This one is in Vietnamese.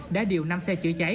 đã điều năm xe chữa cháy